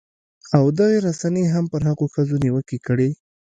او دغې رسنۍ هم پر هغو ښځو نیوکې کړې